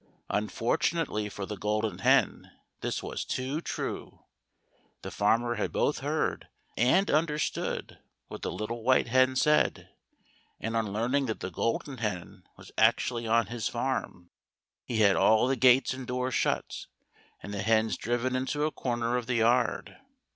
Unfortunately for the Golden Hen, this was too true. The farmer had both heard and understood what the little white hen said, and on learning that the Golden Hen was actually on his farm, he had all the gates and doors shut, and the hens driven into a corner of the yard.